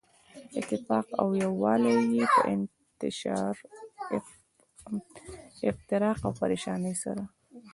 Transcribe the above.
اتفاق او يو والی ئي په انتشار، افتراق او پريشانۍ سره